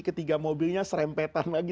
ketiga mobilnya serempetan lagi